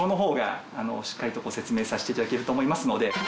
しっかりとご説明させていただけると思いますので。